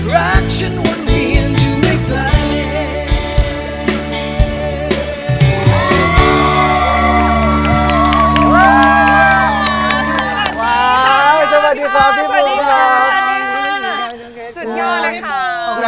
รักฉันวันนี้ยังอยู่ไม่ไกล